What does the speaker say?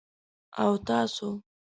_او تاسو؟